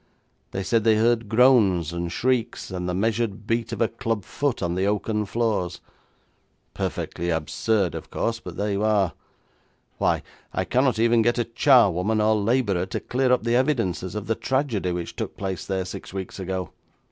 They said they heard groans and shrieks, and the measured beat of a club foot on the oaken floors. Perfectly absurd, of course, but there you are! Why, I cannot even get a charwoman or labourer to clear up the evidences of the tragedy which took place there six weeks ago.